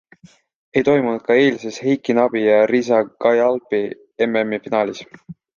Ei toimunud ka eilses Heiki Nabi ja Riza Kayaalpi MM-finaalis.